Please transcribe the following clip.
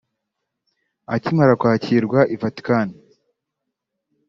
Akimara kwakirwa i Vatican